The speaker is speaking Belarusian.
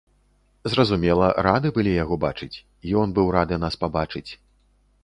Зразумела, рады былі яго бачыць, ён быў рады нас пабачыць.